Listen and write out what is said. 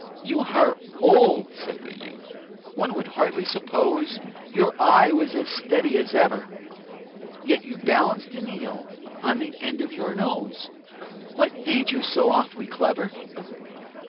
"You are old," said the youth, "one would hardly suppose That your eye was as steady as ever; Yet you balanced an eel on the end of your nose What made you so awfully clever?"